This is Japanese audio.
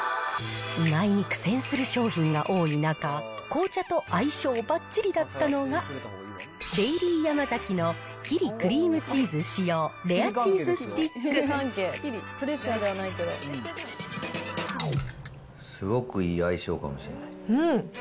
意外に苦戦する商品が多い中、紅茶と相性ばっちりだったのが、デイリーヤマザキのキリクリームチーズ使用レアチーズスティックすごくいい相性かもしれないうん。